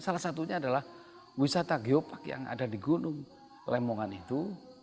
salah satunya adalah wisata geopark yang ada di gunung lemongan itu